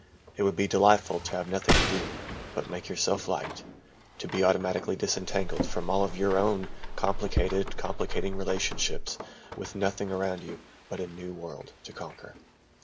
It would be delightful to have nothing to do, but make yourself liked, to be automatically disentangled from all of your own complicated, complicating relationships with nothing around you but a new world to conquer.